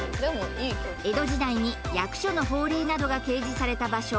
江戸時代に役所の法令などが掲示された場所